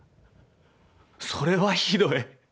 それはひどい。